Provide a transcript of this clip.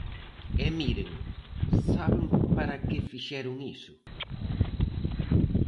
E miren, ¿saben para que fixeron iso?